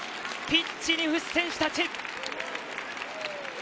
ピッチに伏せる選手たち。